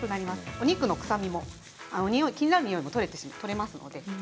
お肉の臭みも気になるにおいも取れますので。